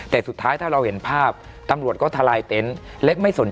แต่สุดท้ายถ้าเราเห็นภาพตำรวจก็ทะลายเต็นต์